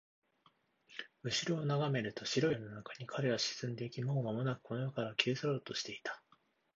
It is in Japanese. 後ろを眺めると、白いゲルの中に彼は沈んでいき、もうまもなくこの世から消え去ろうとしていた